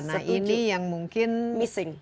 nah ini yang mungkin missing